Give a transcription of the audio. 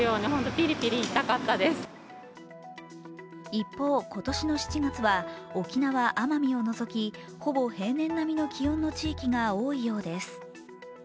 一方、今年の７月は沖縄・奄美を除き、ほぼ平年並みの気温の地域が多いようです。